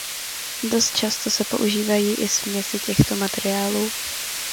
Dost často se používají i směsi těchto materiálů.